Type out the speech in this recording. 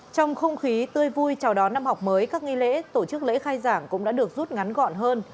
trong không khí tươi vui chào đón năm học mới các nghi lễ tổ chức lễ khai giảng cũng đã được rút ngắn gọn hơn